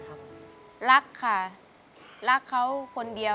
คุณหมอบอกว่าเอาไปพักฟื้นที่บ้านได้แล้ว